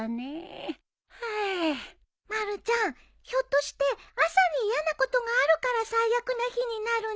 まるちゃんひょっとして朝に嫌なことがあるから最悪な日になるんじゃなくて。